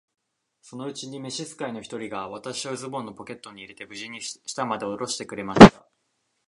そのうちに召使の一人が、私をズボンのポケットに入れて、無事に下までおろしてくれました。